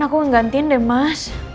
aku ngegantiin deh mas